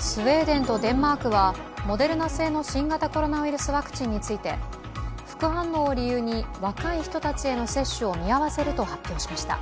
スウェーデンとデンマークはモデルナ製の新型コロナウイルスワクチンについて副反応を理由に若い人たちへの接種を見合わせると発表しました。